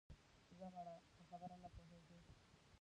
ځه مړه په خبره نه پوهېږې